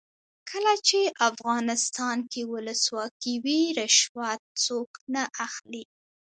کله چې افغانستان کې ولسواکي وي رشوت څوک نه اخلي.